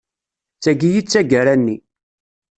D tagi i d tagara-nni.